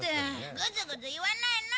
グズグズ言わないの！